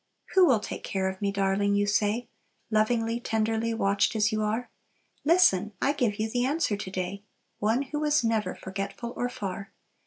"'Who will take care of me?' darling, you say, Lovingly, tenderly watched as you are? Listen! I give you the answer to day, One who is never forgetful or far.